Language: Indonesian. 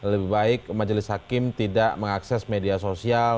lebih baik majelis hakim tidak mengakses media sosial